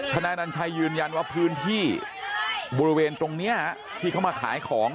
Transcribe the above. นายนัญชัยยืนยันว่าพื้นที่บริเวณตรงนี้ที่เขามาขายของ